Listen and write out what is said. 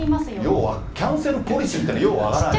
要はキャンセルポリシーっていうのはよう分からんね。